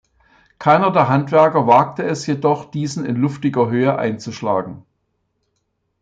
Keiner der Handwerker wagte es jedoch, diesen in luftiger Höhe einzuschlagen.